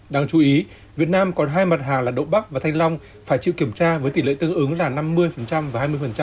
đáng chú ý việt nam còn hai mặt hàng là đậu bắc và thanh long phải chịu kiểm tra với tỷ lệ tương ứng là năm mươi và hai mươi